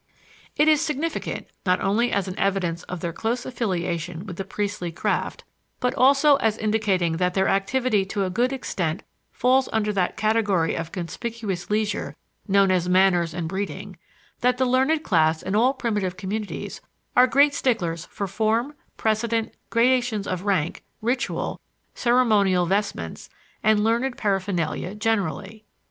It is significant, not only as an evidence of their close affiliation with the priestly craft, but also as indicating that their activity to a good extent falls under that category of conspicuous leisure known as manners and breeding, that the learned class in all primitive communities are great sticklers for form, precedent, gradations of rank, ritual, ceremonial vestments, and learned paraphernalia generally.